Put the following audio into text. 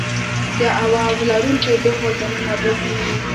د اواز لرونکي ډهل دننه بل څه نه وي.